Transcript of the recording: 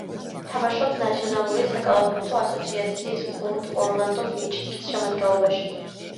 თამაშობს ნაციონალური საკალათბურთო ასოციაციის გუნდ ორლანდო მეჯიკის შემადგენლობაში.